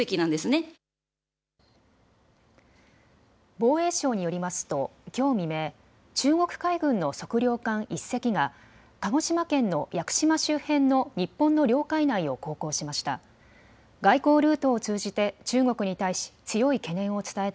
防衛省によりますときょう未明、中国海軍の測量艦１隻が鹿児島県の屋久島周辺の日本の領海内を航行しました。